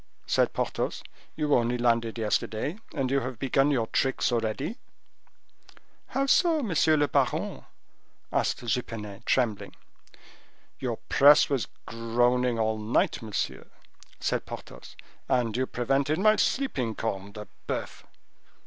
said Porthos. "You only landed yesterday and you have begun your tricks already." "How so, monsieur le baron?" asked Jupenet, trembling. "Your press was groaning all night, monsieur," said Porthos, "and you prevented my sleeping, corne de boeuf!"